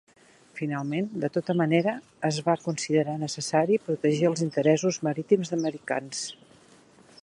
Finalment, de tota manera, es va considerar necessari protegir els interessos marítims americans.